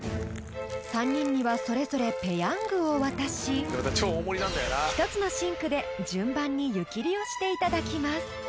［３人にはそれぞれペヤングを渡し１つのシンクで順番に湯切りをしていただきます］